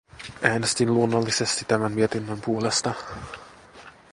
Äänestin luonnollisesti tämän mietinnön puolesta.